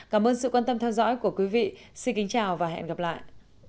cảm ơn sự quan tâm theo dõi của quý vị xin kính chào và hẹn gặp lại